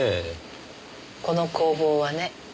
この工房はね